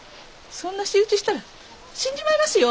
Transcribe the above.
そんな仕打ちしたら死んじまいますよ。